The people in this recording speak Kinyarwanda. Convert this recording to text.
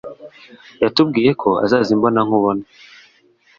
yatubwiye ko azaza imbona nkubone.